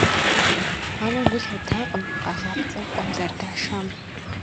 Ауэ гу лъатакъым къагъапцӏэу къуэм зэрыдашам.